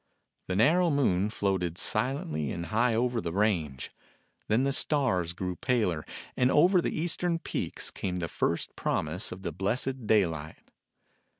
The narrow moon floated silently and high over the range. Then the stars grew paler, and over the eastern peaks came the first promise of the blessed daylight.